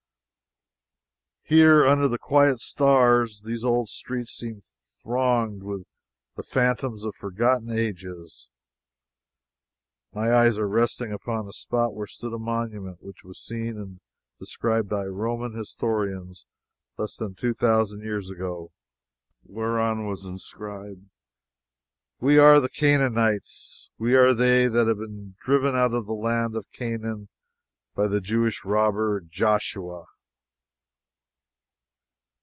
Here, under the quiet stars, these old streets seem thronged with the phantoms of forgotten ages. My eyes are resting upon a spot where stood a monument which was seen and described by Roman historians less than two thousand years ago, whereon was inscribed: "WE ARE THE CANAANITES. WE ARE THEY THAT HAVE BEEN DRIVEN OUT OF THE LAND OF CANAAN BY THE JEWISH ROBBER, JOSHUA."